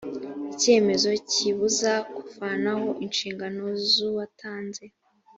icyemezo kibuza kuvanaho inshingano z uwatanze